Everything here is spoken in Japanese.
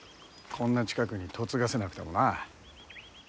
こんな近くに嫁がせなくてもな。